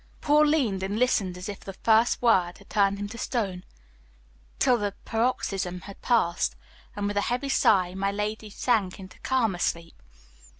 Paul leaned and listened as if the first word had turned him to stone, till the paroxysm had passed, and with a heavy sigh my lady sank into a calmer sleep.